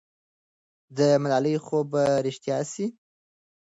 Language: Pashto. د ملالۍ خوب به رښتیا سي.